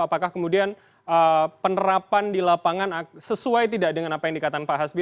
apakah kemudian penerapan di lapangan sesuai tidak dengan apa yang dikatakan pak hasbi